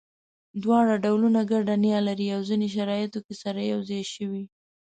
دواړه ډولونه ګډه نیا لري او ځینو شرایطو کې سره یو ځای شوي.